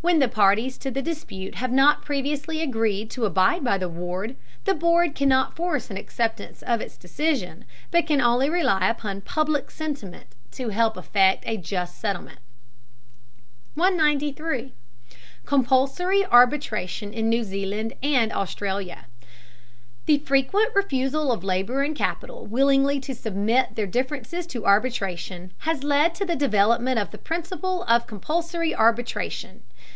When the parties to the dispute have not previously agreed to abide by the award, the board cannot force an acceptance of its decision, but can only rely upon public sentiment to help effect a just settlement. 193. COMPULSORY ARBITRATION IN NEW ZEALAND AND AUSTRALIA. The frequent refusal of labor and capital willingly to submit their differences to arbitration has led to the development of the principle of compulsory arbitration.